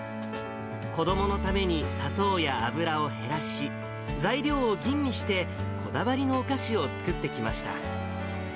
子どものために砂糖や油を減らし、材料を吟味してこだわりのお菓子を作ってきました。